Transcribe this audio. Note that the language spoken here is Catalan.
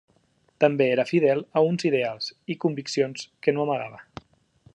També era fidel a uns ideals i conviccions que no amagava.